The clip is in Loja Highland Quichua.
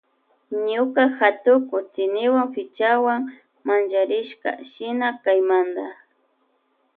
Ñuka hatuku tsiniwan pichawan mancharishka shina kaymanta.